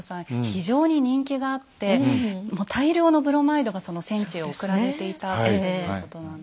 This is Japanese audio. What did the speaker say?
非常に人気があって大量のブロマイドが戦地へ送られていたということなんですよね。